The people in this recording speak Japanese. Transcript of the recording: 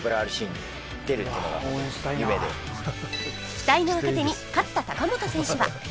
期待の若手に勝田貴元選手は